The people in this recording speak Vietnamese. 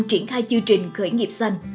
triển khai chương trình khởi nghiệp xanh